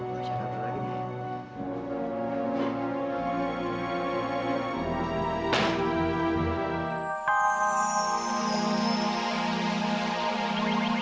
saya tak perlu lagi nih